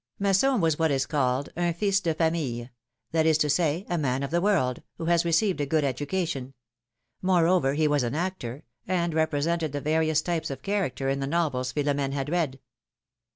Masson was what is called un fils de famille, that is to say, a man of the world, who has received a good education ; moreover, he was an actor, and represented the various types of character in the novels Philomene had read.